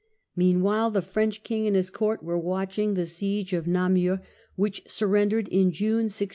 Meanwhile the French king and his court were watching the siege of Namur, which surrendered in June, 1692.